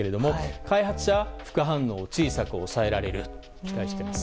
開発者は副反応を小さく抑えられると期待しています。